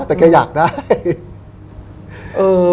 แต่แกอยากได้